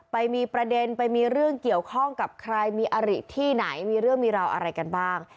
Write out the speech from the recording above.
ไปมีประเด็นไปมีเรื่องเกี่ยวข้องกับใครมีอริที่ไหนมีเรื่องมีราวอะไรกันบ้าง